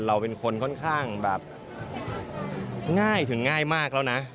เราเป็นคนค่อนข้างแบบง่ายถึงง่ายมากแล้วนะ